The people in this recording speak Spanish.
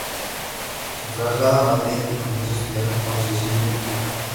Se traslada a Madrid y comienza a estudiar con Cecilio Plá.